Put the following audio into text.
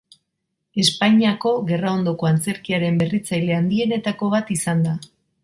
Espainiako gerraondoko antzerkiaren berritzaile handienetako bat izan da.